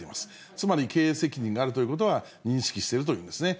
つまり経営責任があるということは認識しているというんですね。